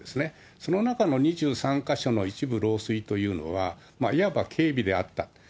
そのなかの３、２３か所の一部漏水というのは、いわば軽微であった。